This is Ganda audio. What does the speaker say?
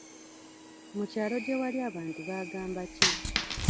Mu kyalo gye wali abantu baagamba ki?